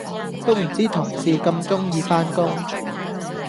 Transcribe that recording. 都唔知同事咁鍾意返工